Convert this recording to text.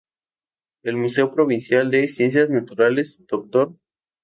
El Museo Provincial de Ciencias Naturales “Dr.